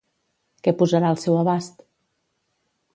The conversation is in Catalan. Què posarà al seu abast?